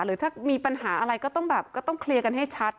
หรือถ้ามีปัญหาอะไรก็ต้องแบบก็ต้องเคลียร์กันให้ชัด